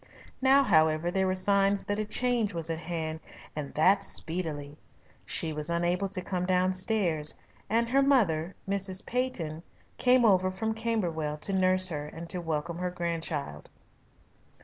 Now, however, there were signs that a change was at hand, and that speedily. She was unable to come downstairs, and her mother, Mrs. Peyton, came over from Camberwell to nurse her and to welcome her grandchild.